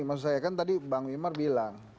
maksud saya kan tadi bang wimar bilang